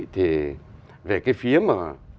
thì về cái phía mà